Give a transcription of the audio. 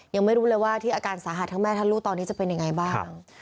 ยังไม่รู้เลยว่าที่อาการสาหัสทั้งแม่ทั้งลูกตอนนี้จะเป็นยังไงบ้าง